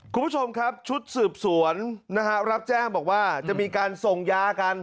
คุณผู้ชมครับชุดสืบสวนนะฮะรับแจ้งบอกว่าจะมีการส่งยากัน